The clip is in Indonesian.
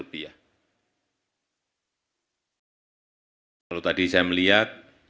kalau tadi saya melihat